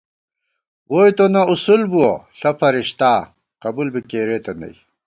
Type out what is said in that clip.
ووئی تونہ اُصول بُوَہ ، ݪہ فرِشتا ، قبُول بی کېرېتہ نئ